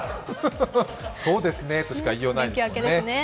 「そうですね」としか言いようがないです。